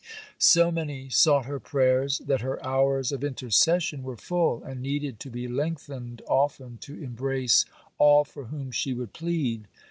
So many sought her prayers, that her hours of intercession were full, and needed to be lengthened often to embrace all for whom she would plead.